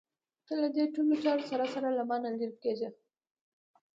ته له دې ټولو چارو سره سره له مانه لرې کېږې.